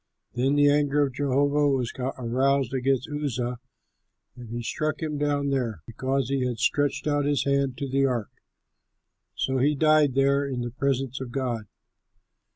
Then the anger of Jehovah was aroused against Uzzah and he struck him down there, because he had stretched out his hand to the ark; so he died there in the presence of God.